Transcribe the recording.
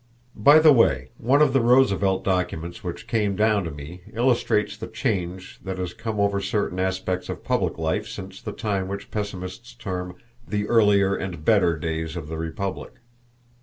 By the way, one of the Roosevelt documents which came down to me illustrates the change that has come over certain aspects of public life since the time which pessimists term "the earlier and better days of the Republic."